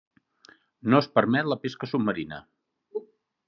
No es permet la pesca submarina.